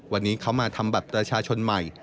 วันนี้เขามาทำบัตรประชาชนใหม่